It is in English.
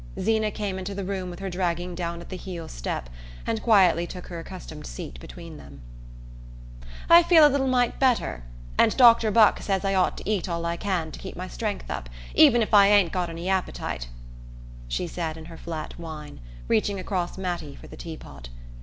Zeena came into the room with her dragging down at the heel step, and quietly took her accustomed seat between them. "I felt a little mite better, and Dr. Buck says I ought to eat all I can to keep my strength up, even if I ain't got any appetite," she said in her flat whine, reaching across Mattie for the teapot.